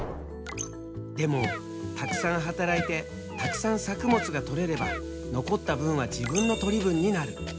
でもたくさん働いてたくさん作物がとれれば残った分は自分の取り分になる。